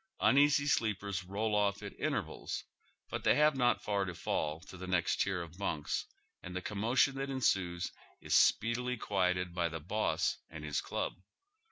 Uneasy sleepers roll off at intervale, but they have not far to fall to the next tier of bunks, and the commotion that ensues is speedily quieted by the boss and his dub.